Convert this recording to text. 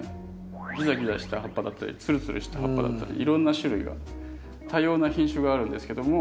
ギザギザした葉っぱだったりツルツルした葉っぱだったりいろんな種類が多様な品種があるんですけども。